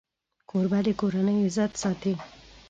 کوربه د کورنۍ عزت ساتي.